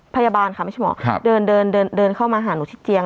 พยาบาลค่ะไม่ใช่หมอเดินเดินเข้ามาหาหนูที่เตียง